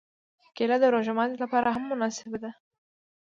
کېله د روژه ماتي لپاره هم مناسبه ده.